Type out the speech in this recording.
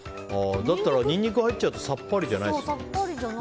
だったらニンニク入っちゃうとさっぱりじゃない。